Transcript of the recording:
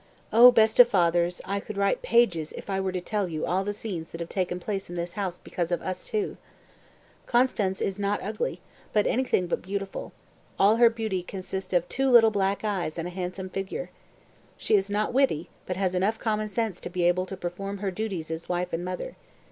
O, best of fathers, I could write pages if I were to tell you all the scenes that have taken place in this house because of us two....Constanze is not ugly, but anything but beautiful; all her beauty consists of two little black eyes and a handsome figure. She is not witty but has enough common sense to be able to perform her duties as wife and mother.